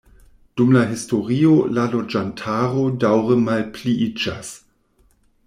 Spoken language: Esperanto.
Dum la historio la loĝantaro daŭre malpliiĝas.